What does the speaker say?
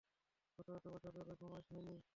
গতরাতে মশার জ্বালায় ঘুম হয়নি।